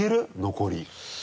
残り。